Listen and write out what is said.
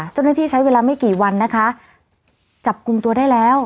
เจ้าหน้าที่ใช้เวลาไม่กี่วันนะคะจับกลุ่มตัวได้แล้ว